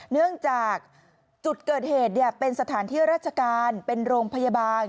เนื่องจากจุดเกิดเหตุเป็นสถานที่ราชการเป็นโรงพยาบาล